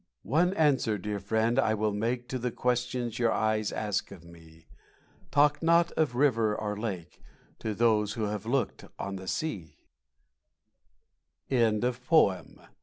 One answer, dear friend, I will make To the questions your eyes ask of me: "Talk not of the river or lake To those who have looked on the sea" WHAT HAPPENS?